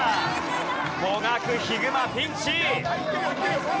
もがくヒグマピンチ！